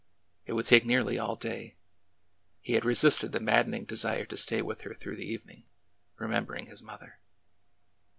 It would take nearly all day. He had resisted the maddening desire to stay with her through the evening, remembering his mother.